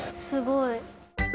すごい。